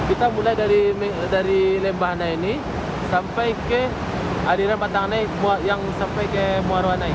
itu lebih panjangnya satu km